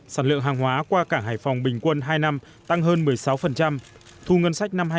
sản lượng hàng hóa qua cảng hải phòng bình quân hai năm tăng hơn một mươi sáu